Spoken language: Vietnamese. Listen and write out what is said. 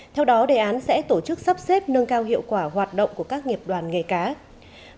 theo đó đề án sẽ tổ chức sắp xếp nâng cao hiệu quả hoạt động của các nghiệp đoàn nghề cá